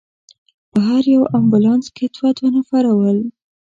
په هر یو امبولانس کې دوه دوه نفره ول.